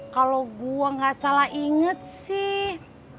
kalau gua enggak salah inget sih